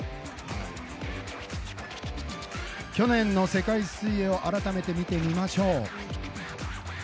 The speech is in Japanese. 去年の世界水泳を改めて見てみましょう。